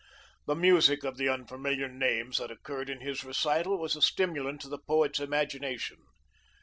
The music of the unfamiliar names that occurred in his recital was a stimulant to the poet's imagination.